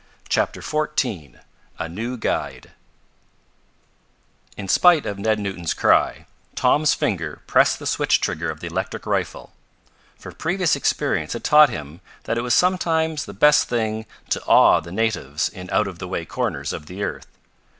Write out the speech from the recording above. CHAPTER XIV A NEW GUIDE In spite of Ned Newton's cry, Tom's finger pressed the switch trigger of the electric rifle, for previous experience had taught him that it was sometimes the best thing to awe the natives in out of the way corners of the earth.